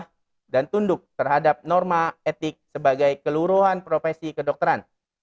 yang tunduk terhadap norma etik sebagai keluruhan profesi kedokteran